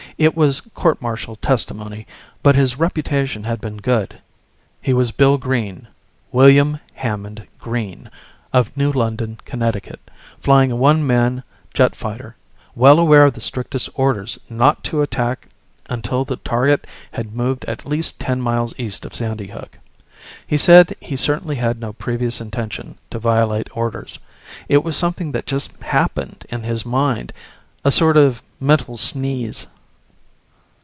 It was court martial testimony, but his reputation had been good. He was Bill Green William Hammond Green of New London, Connecticut, flying a one man jet fighter, well aware of the strictest orders not to attack until the target had moved at least ten miles east of Sandy Hook. He said he certainly had no previous intention to violate orders. It was something that just happened in his mind. A sort of mental sneeze.